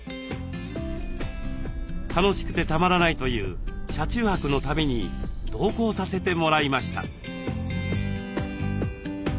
楽しくてたまらないという車中泊の旅に同行させてもらいました。